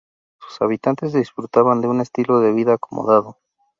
Sus habitantes disfrutaban de un estilo de vida acomodado.